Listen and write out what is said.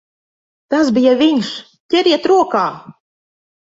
Tas bija viņš! Ķeriet rokā!